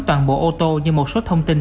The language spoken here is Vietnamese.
toàn bộ ô tô như một số thông tin